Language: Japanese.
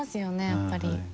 やっぱり。